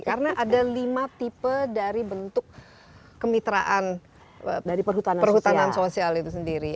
karena ada lima tipe dari bentuk kemitraan perhutanan sosial itu sendiri